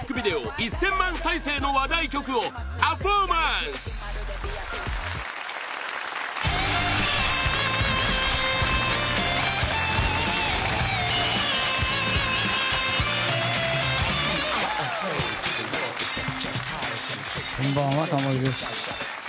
１０００万再生の話題曲をパフォーマンスこんばんは、タモリです。